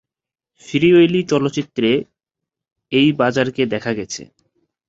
Free Willy চলচ্চিত্রে এই বাজারকে দেখা গেছে।